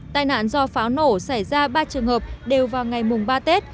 tai nạn do pháo nổ xảy ra ba trường hợp đều vào ngày mùng ba tết